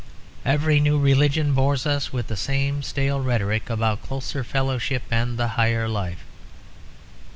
Every new religion bores us with the same stale rhetoric about closer fellowship and the higher life.